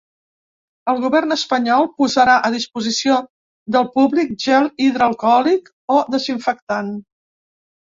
El govern espanyol posarà a disposició del públic gel hidroalcohòlic o desinfectant.